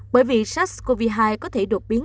bởi vì sars cov hai có thể đột biến